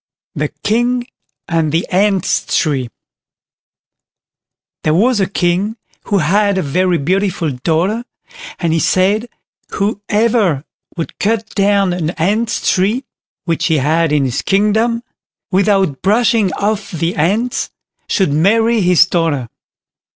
THE KING AND THE ANT'S TREE There was a King who had a very beautiful daughter, and he said, whoever would cut down an Ant's tree, which he had in his kingdom, without brushing off the ants, should marry his daughter.